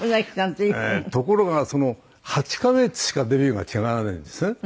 ところが８カ月しかデビューが違わないんですね。